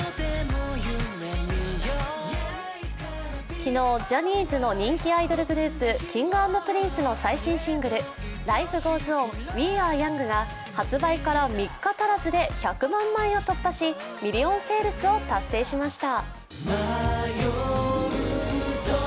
昨日、ジャニーズの人気アイドルグループＫｉｎｇ＆Ｐｒｉｎｃｅの最新シングル「Ｌｉｆｅｇｏｅｓｏｎ／Ｗｅａｒｅｙｏｕｎｇ」が発売から３日足らずで１００万枚を突破し、ミリオンセールスを達成しました。